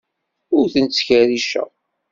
Ur ten-ttkerriceɣ.